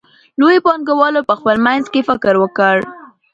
لویو پانګوالو په خپل منځ کې فکر وکړ